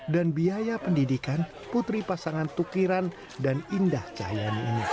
dan biaya pendidikan putri pasangan tukiran dan indah cahaya ini